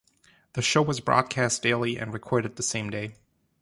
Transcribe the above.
The show was broadcast daily, and recorded the same day.